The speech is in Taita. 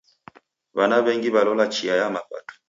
W'ana w'engi w'alola chia ya mapato.